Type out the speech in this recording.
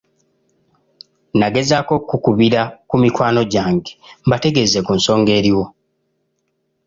Nagezaako okukubira ku mikwano gyange mbategeeze ku nsonga eriwo.